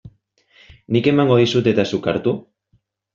Nik emango dizut eta zuk hartu?